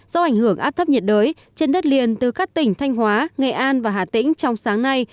do ảnh hưởng áp thấp nhiệt đới trên đất liền từ các tỉnh thanh hóa nghệ an và hà tĩnh trong sáng nay